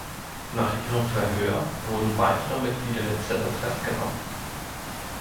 Nach ihrem Verhör wurden weitere Mitglieder der Zelle festgenommen.